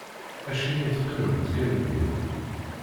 Acimi i teqqimemt kan din?